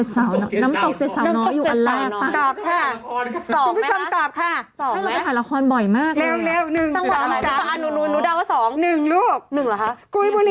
๗สาวน้อยน้ำตก๗สาวน้อยอยู่อันล่างประมาณนี้นะ๗สาวน้อย